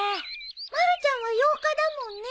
まるちゃんは８日だもんね。